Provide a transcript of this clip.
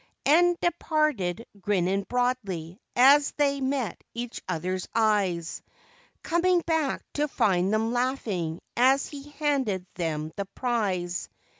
/ And departed, grinning broadly as they met ,^ach other's eyes. Coming back to find them laughing as he handed them the prize.